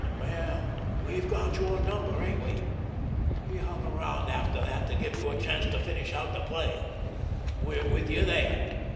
Well, we've got your number, ain't we? We hung around after that to give you a chance to finish out the play. We're with you there!